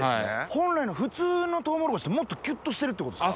本来の普通のトウモロコシってもっときゅっとしてるってことですか？